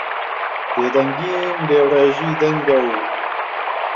بێدەنگیم لێوڕێژی دەنگە و